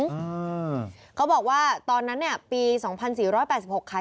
อืมเขาบอกว่าตอนนั้นเนี่ยปีสองพันสี่ร้อยแปดสิบหกค่ะ